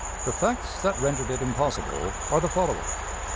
The facts that rendered it impossible are the following: "1.